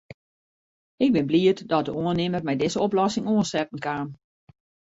Ik bin bliid dat de oannimmer mei dizze oplossing oansetten kaam.